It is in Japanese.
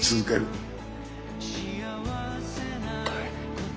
はい。